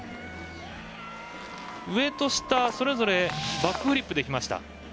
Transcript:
上と下それぞれバックフリップできました。